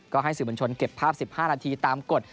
ก็ให้สื่อบัญชนเก็บภาพ๑๕นาทีตามกฎ